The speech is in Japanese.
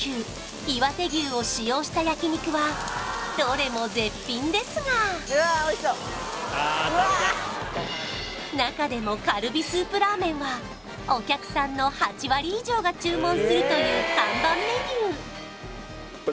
いわて牛を使用した焼肉はどれも絶品ですが中でもカルビスープラーメンはお客さんの８割以上が注文するという看板メニューこれ